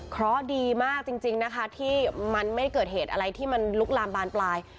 เพราะดีมากจริงนะคะที่มันไม่เกิดเหตุอะไรที่มันลุกลามบานปลาย